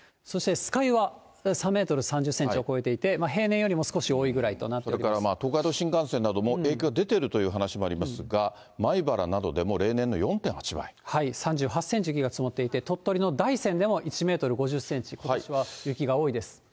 そして、酸ヶ湯は３メートル３０センチを超えていて、平年よりも少し多いそれから東海道新幹線なども影響出ているという話もありますが、米原などでも例年の４３８センチ、雪が積もっていて、鳥取の大山でも１めーとる５０センチ、ことしは雪が多いです。